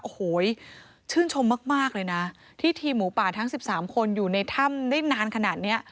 โอ้โหชื่นชมมากเลยนะที่ทีมหมูป่าทั้ง๑๓คนอยู่ในถ้ำได้นานขนาดนี้